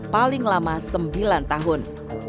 paling lama sembilan tahun